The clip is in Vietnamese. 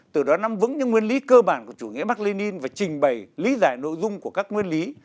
từ đó nắm vững những nguyên lý cơ bản của chủ nghĩa bắc lê ninh và trình bày lý giải nội dung của các nguyên lý